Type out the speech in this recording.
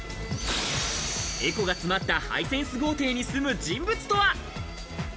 エコが詰まったハイセンス豪邸に住む人物とは。